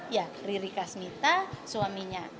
ya riri kasmita suaminya